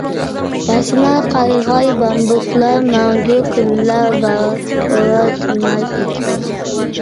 ياشنار قارىغاي، بامبۇكلار مەڭگۈ، گۈللەر بەرق ئۇرار تىنماي ئېچىلىپ.